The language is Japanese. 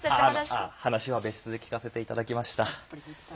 あっ話は別室で聞かせて頂きました。